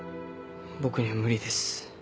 僕には無理です。